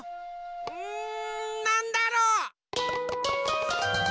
うんなんだろう。